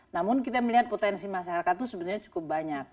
namun kita melihat potensi masyarakat itu sebenarnya cukup banyak